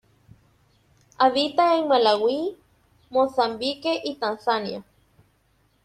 Habita en Malaui, Mozambique y Tanzania.